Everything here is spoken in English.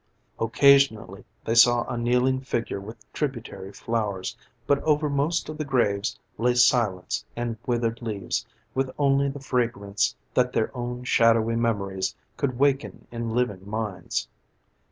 Occasionally they saw a kneeling figure with tributary flowers, but over most of the graves lay silence and withered leaves with only the fragrance that their own shadowy memories could waken in living minds.